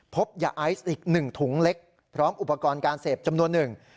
พบยาไอซ์อีก๑ถุงเล็กพร้อมอุปกรณ์การเสพจำนวนหนึ่ง